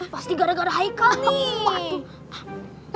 pasti gara gara haikal nih